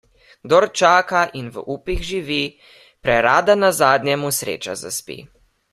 Kdor čaka in v upih živi, prerada nazadnje mu sreča zaspi.